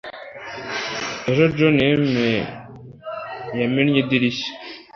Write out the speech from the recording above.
ejo john yamennye idirishya